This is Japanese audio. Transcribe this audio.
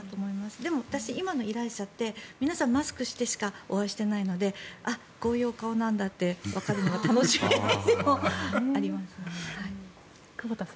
でも今の依頼者って皆さんマスクしてでしかお会いしていないのでこういうお顔なんだってわかるのが楽しみでもあります。